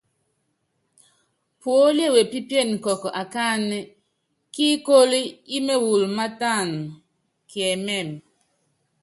Puólíé wepípíene kɔɔkɔ akánɛ kíikóló ímewulu mátána, kiɛmɛ́mɛ.